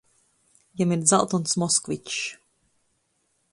Jam ir dzaltons ‘Moskvičs’.